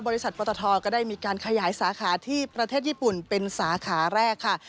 บริษัทปตทก็ได้มีการขยายสาขาที่ประเทศญี่ปุ่นเป็นสาขาแรกค่ะ